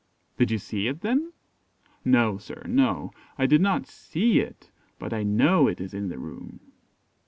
"Did you see it then?" "No, sir, no: I did not see it, but I know it is in the room."